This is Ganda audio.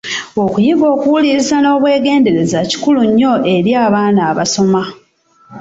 Okuyiga okuwulirirza n’obwegendereza kikulu nnyo eri abaana abasoma.